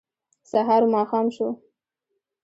سهار و ماښام شو